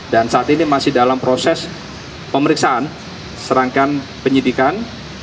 dan saat ini masih dalam proses pemeriksaan serangkaian penyidikan